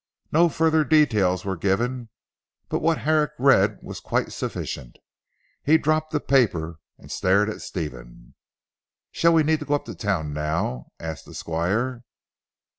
No further details were given, but what Herrick read was quite sufficient. He dropped the paper and stared at Stephen. "Shall we need go up to Town now?" asked the Squire.